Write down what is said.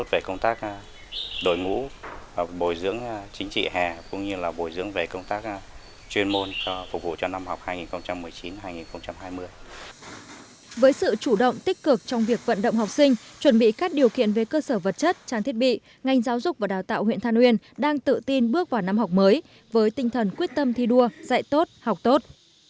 với sự chủ động tích cực trong việc vận động học sinh chuẩn bị các điều kiện về cơ sở vật chất trang thiết bị ngành giáo dục và đào tạo huyện tha nguyên đang tự tin bước vào năm học mới với tinh thần quyết tâm thi đua dạy tốt học tốt